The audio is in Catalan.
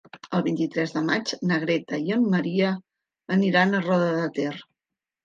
El vint-i-tres de maig na Greta i en Maria aniran a Roda de Ter.